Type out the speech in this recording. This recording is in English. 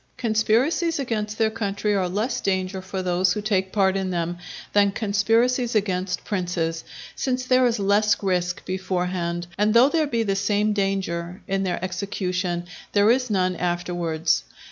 Conspiracies against their country are less danger for those who take part in them than conspiracies against princes; since there is less risk beforehand, and though there be the same danger in their execution, there is none afterwards.